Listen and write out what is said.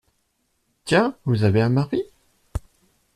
Tiens ! vous avez un mari ?